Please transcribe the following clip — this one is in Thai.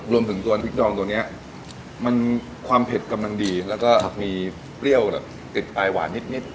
รวมถึงตัวพริกดองตัวนี้มันความเผ็ดกำลังดีแล้วก็มีเปรี้ยวแบบติดปลายหวานนิด